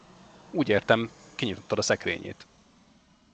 Úgy értem, kinyitottad a szekrényét